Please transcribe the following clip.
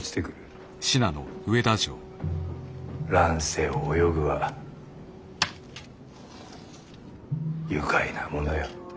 乱世を泳ぐは愉快なものよ。